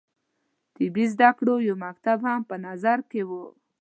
طبي زده کړو یو مکتب هم په نظر کې وو.